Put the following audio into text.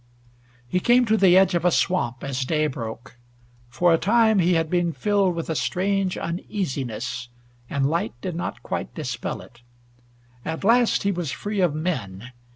He came to the edge of a swamp as day broke. For a time he had been filled with a strange uneasiness, and light did not quite dispel it. At last he was free of men.